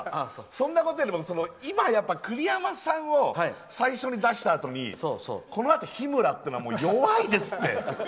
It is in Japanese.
そんなことより今、栗山さんを最初に出したあとにこのあと日村っていうのは弱いですって！